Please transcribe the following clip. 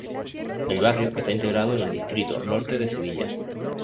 El barrio está integrado en el Distrito Norte de Sevilla.